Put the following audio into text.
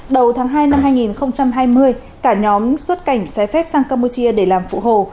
đầu tháng hai năm hai nghìn hai mươi cả nhóm xuất cảnh trái phép sang campuchia để làm phụ hồ